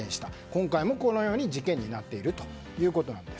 今回もこのように事件になっているということなんです。